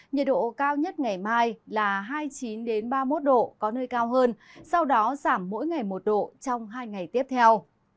nhiệt độ cao nhất ngày mai là hai mươi chín ba mươi một độ có nơi cao hơn sau đó giảm mỗi ngày một độ trong hai ngày tiếp theo